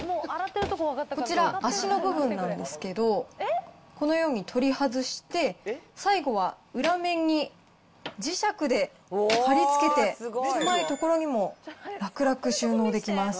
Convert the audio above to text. こちら、脚の部分なんですけど、このように取り外して、最後は裏面に磁石で貼り付けて、狭い所にも楽々収納できます。